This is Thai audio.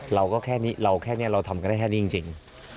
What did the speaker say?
เราก็แค่นี้เราแค่นี้เราทำกันได้แค่นี้จริง